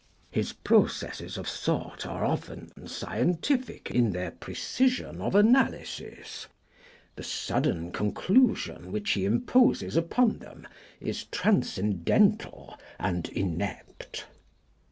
His processes of thought are often scientific in their precision of analysis; the sudden conclusion which he imposes upon them is transcendental and inept.'